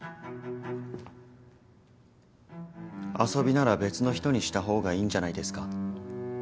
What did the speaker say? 遊びなら別の人にした方がいいんじゃないですか？